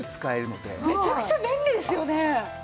めちゃくちゃ便利ですよね。